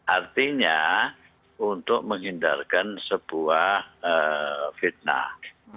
artinya untuk menghindarkan sebuah fitnah